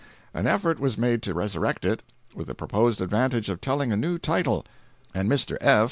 An effort was made to resurrect it, with the proposed advantage of a telling new title, and Mr. F.